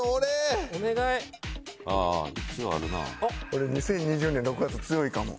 俺２０２０年６月強いかも。